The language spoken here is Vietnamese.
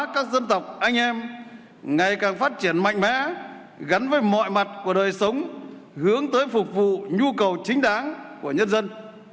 các dân tộc anh em ngày càng phát triển mạnh mẽ gắn với mọi mặt của đời sống hướng tới phục vụ nhu cầu chính đáng của nhân dân